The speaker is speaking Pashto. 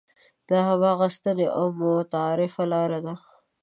دا هماغه سنتي او متعارفه لاره ده.